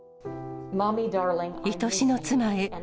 いとしの妻へ。